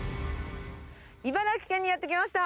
茨城県にやって来ました。